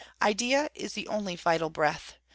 Idea is the only vital breath.